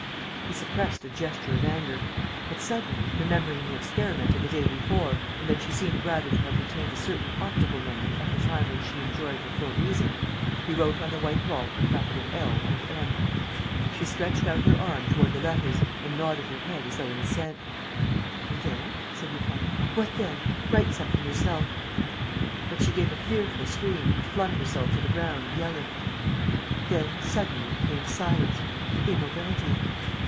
." He suppressed a gesture of anger. But, suddenly, remembering the experiment of the day before and that she seemed rather to have retained a certain optical memory of the time when she enjoyed her full reason, he wrote on the white wall a capital "L" and "M." She stretched out her arm toward the letters and nodded her head as though in assent. "And then?" said Lupin. "What then? ... Write something yourself." But she gave a fearful scream and flung herself to the ground, yelling. Then, suddenly, came silence, immobility.